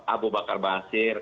abu bakar baasir